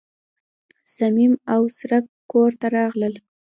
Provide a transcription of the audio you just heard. صمیم او څرک کور ته راغلل.